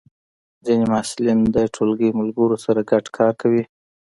ځینې محصلین د ټولګی ملګرو سره ګډ کار کوي.